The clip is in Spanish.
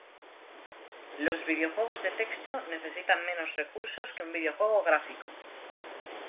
Los videojuegos de texto necesitan menos recursos que un videojuego gráfico.